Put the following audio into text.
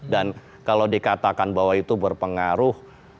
dan kalau dikatakan bahwa itu berpengaruh